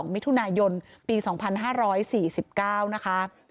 มิถุนายนปี๒๕๔๙นะคะ